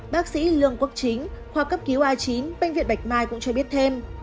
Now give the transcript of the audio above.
bác sĩ lương quốc chính khoa cấp cứu a chín bệnh viện bạch mai cũng cho biết thêm